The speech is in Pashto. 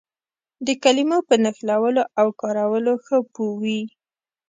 د کلمو په نښلولو او کارولو ښه پوه وي.